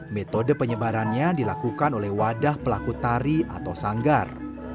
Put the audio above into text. metode penyebarannya dilakukan oleh wadah pelaku tari atau sanggar